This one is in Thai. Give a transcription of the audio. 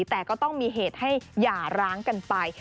แต่ก็ต้องมีเหตุให้หย่าร้างกันไป